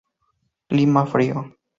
Clima frío.